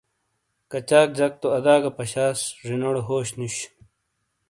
کچاک جک تو ادا گہ پشاس جینوڑے ہوش نوش۔